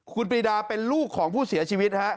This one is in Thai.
คุณปรีดาเป็นลูกของผู้เสียชีวิตฮะ